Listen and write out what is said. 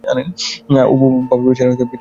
অপু বাবার বিছানার পাশেই বসিয়া ছিল।